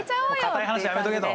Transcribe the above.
硬い話やめとけと。